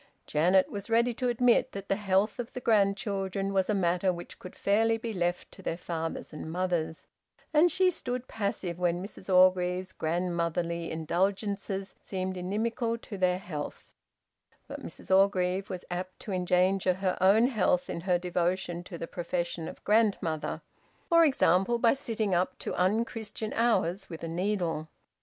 Janet was ready to admit that the health of the grandchildren was a matter which could fairly be left to their fathers and mothers, and she stood passive when Mrs Orgreave's grandmotherly indulgences seemed inimical to their health; but Mrs Orgreave was apt to endanger her own health in her devotion to the profession of grandmother for example by sitting up to unchristian hours with a needle.